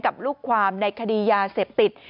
ลูกความในคดียาเสพติด